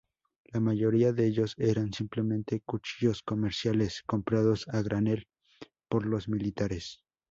La mayoría de ellos eran simplemente cuchillos comerciales comprados a granel por los militares.